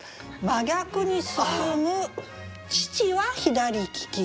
「真逆に進む父は左利き」。